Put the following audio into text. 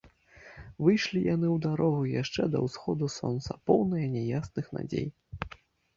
Выйшлі яны ў дарогу яшчэ да ўсходу сонца, поўныя няясных надзей.